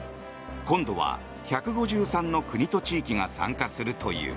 今度は１５３の国と地域が参加するという。